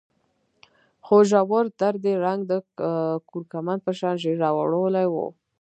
خو ژور درد يې رنګ د کورکمند په شان ژېړ اړولی و.